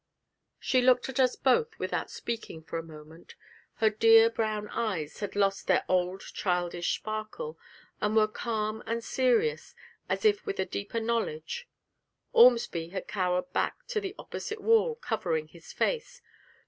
She looked at us both without speaking for a moment; her dear brown eyes had lost their old childish sparkle, and were calm and serious as if with a deeper knowledge. Ormsby had cowered back to the opposite wall, covering his face.